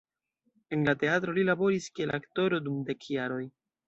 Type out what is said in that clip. En la teatro li laboris kiel aktoro dum dek jaroj.